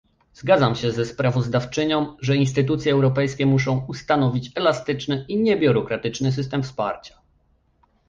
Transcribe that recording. Zgadzam się ze sprawozdawczynią, że instytucje europejskie muszą ustanowić elastyczny i niebiurokratyczny system wsparcia